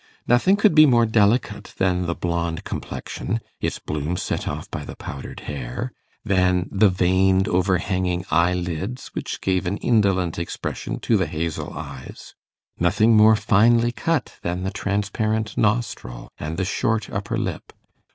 Nothing could be more delicate than the blond complexion its bloom set off by the powdered hair than the veined overhanging eyelids, which gave an indolent expression to the hazel eyes; nothing more finely cut than the transparent nostril and the short upper lip.